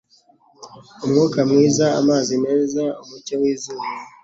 umwuka mwiza, amazi meza, umucyo w’izuba,